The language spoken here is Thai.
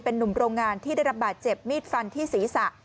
หนุ่มโรงงานที่ได้รับบาดเจ็บมีดฟันที่ศีรษะ